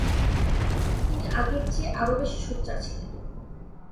তিনি আগের চেয়ে আরও বেশি সোচ্চার ছিলেন।